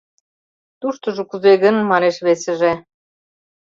— Туштыжо кузе гын? — манеш весыже.